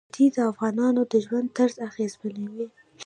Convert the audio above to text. وادي د افغانانو د ژوند طرز اغېزمنوي.